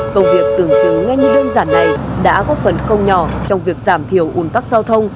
công việc tưởng chứng ngay như đơn giản này đã có phần không nhỏ trong việc giảm thiểu ồn tắc giao thông